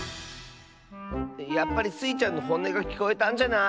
やっぱりスイちゃんのほんねがきこえたんじゃない？